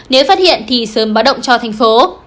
nếu phát hiện thì sớm báo động cho thành phố